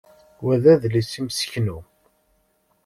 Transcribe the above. Wa d adlis imseknu.